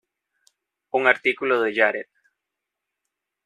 Un artículo de Jared.